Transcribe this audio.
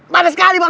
baga sekali bang